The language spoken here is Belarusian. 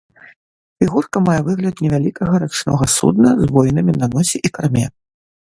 Фігурка мае выгляд невялікага рачнога судна з воінамі на носе і карме.